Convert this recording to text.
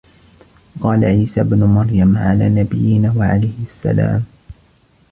وَقَالَ عِيسَى ابْنُ مَرْيَمَ عَلَى نَبِيِّنَا وَعَلَيْهِ السَّلَامُ